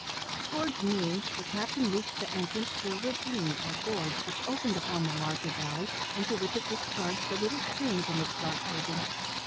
Towards noon, the captain reached the entrance to a ravine, or gorge, which opened upon the larger valley, into which it discharged a little stream from its dark bosom.